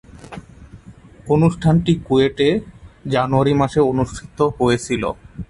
অনুষ্ঠানটি কুয়েটে জানুয়ারি মাসে অনুষ্ঠিত হয়েছিলো।